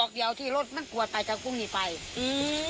ซอกเดียวที่รถมันปวดไปจากกรุ่งนี้ไปอือ